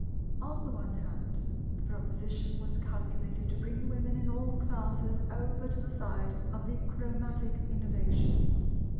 On the one hand the proposition was calculated to bring the Women in all classes over to the side of the Chromatic Innovation.